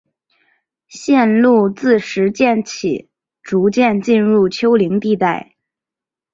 线路自石涧起逐渐进入丘陵地带。